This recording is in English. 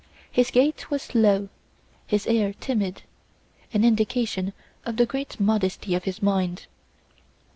His gait was slow, his air timid, an indication of the great modesty of his mind.